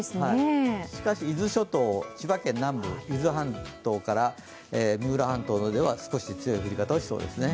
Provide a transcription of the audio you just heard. しかし伊豆諸島、千葉県南部、伊豆半島から三浦半島までは少し強い降り方をしそうですね。